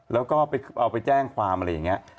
แล้วก็เอาไปแจ้งความอะไรอย่างนี้